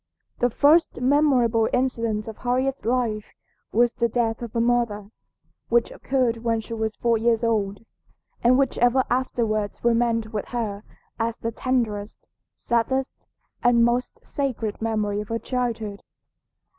The first memorable incident of Harriet's life was the death of her mother, which occurred when she was four years old, and which ever afterwards remained with her as the tenderest, saddest, and most sacred memory of her childhood.